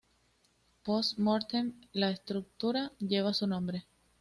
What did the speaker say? Post mortem, la estructura lleva su nombre.